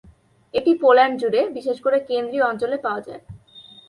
এটি পোল্যান্ড জুড়ে, বিশেষ করে কেন্দ্রীয় অঞ্চলে পাওয়া যায়।